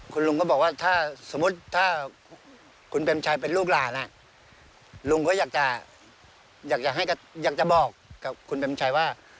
คุณลุงก็บอกว่าถ้าสมมุติถ้าคุณเป็นลูกหล่านลุงก็อยากจะบอกคุณเป็นชายว่า